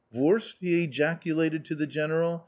"Wurst?" he ejaculated to the General.